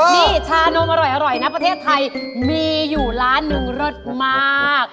นี่ชานมอร่อยนะประเทศไทยมีอยู่ร้านหนึ่งเลิศมาก